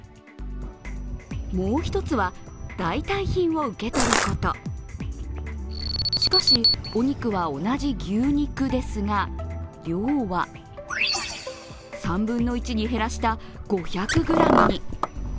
もう一つは、代替品を受け取ることしかし、お肉は同じ牛肉ですが、量は３分の１に減らした５００ｇに。